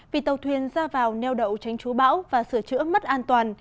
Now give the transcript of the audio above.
vì tàu thuyền ra vào neo đậu tránh chú bão và sửa chữa mất an toàn